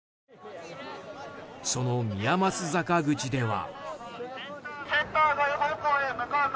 その宮益坂口では。